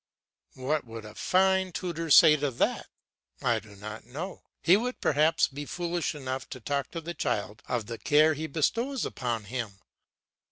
What would a fine tutor say to that? I do not know. He would perhaps be foolish enough to talk to the child of the care he bestows upon him.